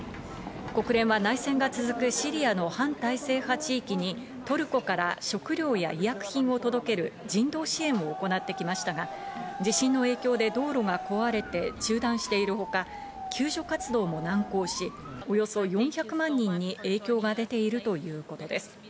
国連は内戦が続くシリアの反体制派地域にトルコから食料や医薬品を届ける人道支援を行ってきましたが、地震の影響で道路が壊れて中断しているほか、救助活動も難航し、およそ４００万人に影響が出ているということです。